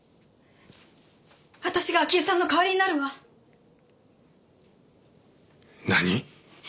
私が明江さんの代わりになるわ。何！？